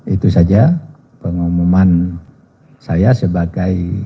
itu saja pengumuman saya sebagai